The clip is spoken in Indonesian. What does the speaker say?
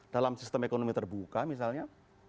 dalam sistem ekonomi terbuka misalnya